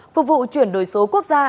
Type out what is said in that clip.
cục vụ chuyển đổi số quốc gia